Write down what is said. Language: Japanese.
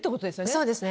そうですね。